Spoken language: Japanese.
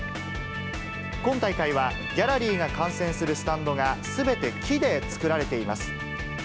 今大会はギャラリーが観戦するスタンドがすべて木で作られています。